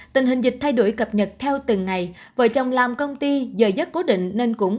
tình hình dịch thay đổi cập nhật theo từng ngày vợ chồng làm công ty giờ dất cố định nên cũng